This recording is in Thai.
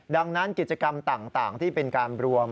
ดังนั้นกิจกรรมต่างที่เป็นการรวม